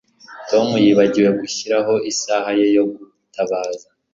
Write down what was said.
Tom yibagiwe gushyiraho isaha ye yo gutabaza